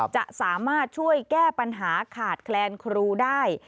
จะสามารถช่วยแก้ปัญหาขาดแคลนครูได้